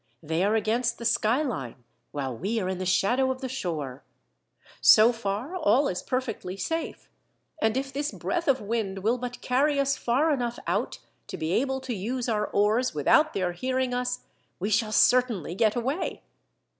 They are against the skyline, while we are in the shadow of the shore. So far all is perfectly safe, and if this breath of wind will but carry us far enough out to be able to use our oars without their hearing us, we shall certainly get away."